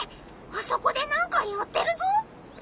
あそこで何かやってるぞ！